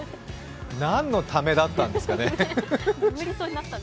何のタメだったんですかね？